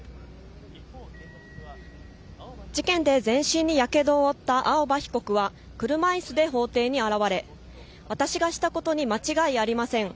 事件で全身にやけどを負った青葉被告は車椅子で法廷に現れ私がしたことに間違いありません。